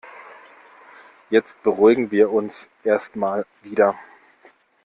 Jetzt beruhigen wir uns erst mal wieder.